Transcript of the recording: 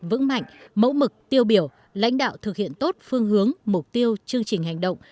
vững mạnh mẫu mực tiêu biểu lãnh đạo thực hiện tốt phương hướng mục tiêu chương trình hành động